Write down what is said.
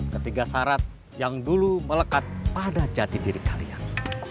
ketiga syarat yang dulu melekat pada jati diri kalian